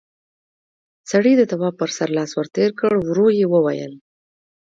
سړي د تواب پر سر لاس ور تېر کړ، ورو يې وويل: